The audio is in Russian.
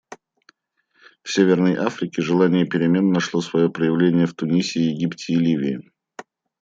В Северной Африке желание перемен нашло свое проявление в Тунисе, Египте и Ливии.